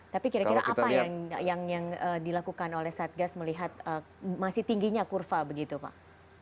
tapi kira kira apa yang dilakukan oleh satgas melihat masih tingginya kurva begitu pak